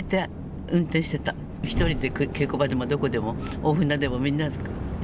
一人で稽古場でもどこでも大船でもみんな。